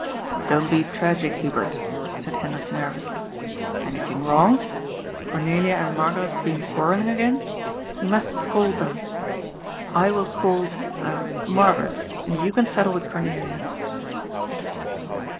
"Don't be tragic, Hubert," said Hendrik nervously. " Anything wrong ? Cornelia and Margaret been quarrel ling again ? We must scold them. I will scold — ahem — Margaret. And you can settle with Cornelia."